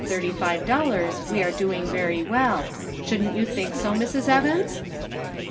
thirty five dollars we were doing very well; shouldn't you think so, Mrs. Evans ?